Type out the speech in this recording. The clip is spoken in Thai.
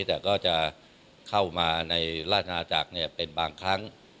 แต่ก็จะเข้ามาในราชนาจักรเป็นบางครั้ง